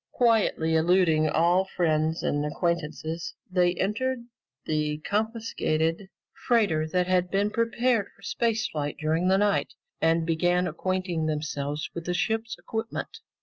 Quietly eluding all friends and acquaintances, they entered the confiscated freighter that had been prepared for space flight during the night and began acquainting themselves with the ship's equipment.